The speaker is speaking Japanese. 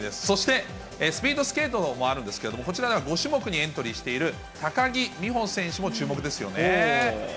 そしてスピードスケートもあるんですけど、こちらは５種目にエントリーしている高木美帆選手も注目ですよね。